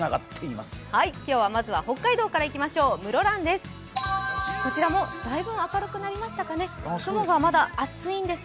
まずは北海道からいきましょう、室蘭です。